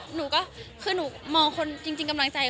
หนูก็คือหนูมองคนจริงกำลังใจ